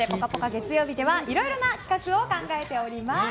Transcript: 月曜日ではいろいろな企画を考えております。